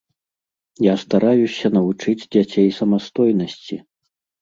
Я стараюся навучыць дзяцей самастойнасці.